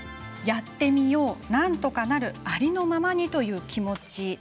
やってみよう、なんとかなるありのままにという気持ち。